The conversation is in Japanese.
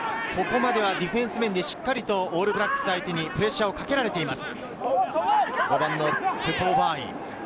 ディフェンス面でしっかりオールブラックスにプレッシャーをかけられています。